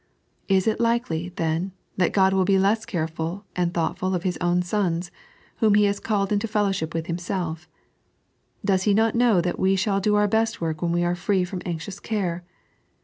Is it likely, then, that God will be less careful and thoughtful of His own sons, whom He has called into fellowship with Himself Z Does He not know that we shall do oor best work when we are free from anxious care